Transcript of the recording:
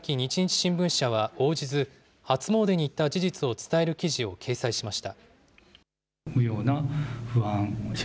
新聞社は応じず、初詣に行った事実を伝える記事を掲載しました。